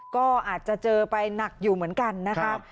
ก็อาจจะเจอไปหนักอยู่เหมือนกันนะคะ